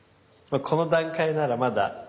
この段階ならまだ。